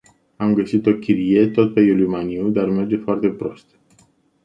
Am găsit o chirie, tot pe Iuliu Maniu, dar merge foarte prost.